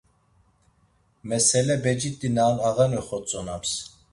Mesele becit̆i na on ağani oxotzonams.